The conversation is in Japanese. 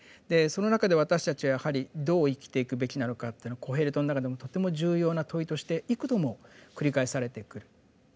でその中で私たちはやはりどう生きていくべきなのかっていうのはコヘレトの中でもとても重要な問いとして幾度も繰り返されてくる。